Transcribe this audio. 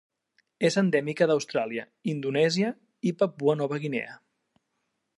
És endèmica d'Austràlia, Indonèsia i Papua Nova Guinea.